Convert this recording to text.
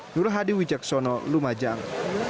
nur hadi wijaksono lumajang